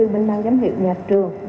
bên ngành giáo dục